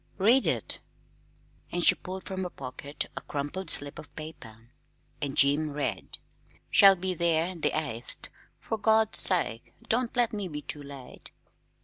Read it." And she pulled from her pocket a crumpled slip of paper. And Jim read: Shall be there the 8th. For God's sake don't let me be too late.